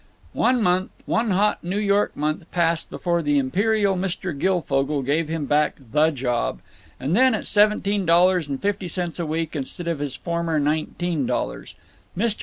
One month, one hot New York month, passed before the imperial Mr. Guilfogle gave him back The Job, and then at seventeen dollars and fifty cents a week instead of his former nineteen dollars. Mr.